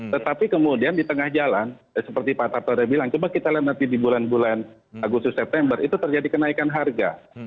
tetapi kemudian di tengah jalan seperti pak tarto ada bilang coba kita lihat nanti di bulan bulan agustus september itu terjadi kenaikan harga